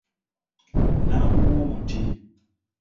Naamuwa omuti .